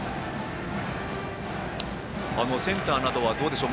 センターなどはどうでしょう？